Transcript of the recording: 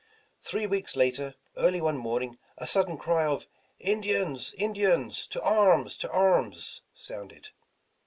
Three weeks later, early one morning, a sudden cry of "Indians! Indians! to arms! to arms!" sounded.